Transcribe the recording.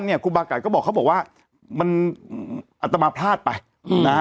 เนี้ยครูบาก่ายก็บอกเขาบอกว่ามันอัตมาพลาดไปอืมนะ